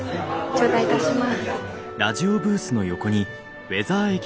頂戴いたします。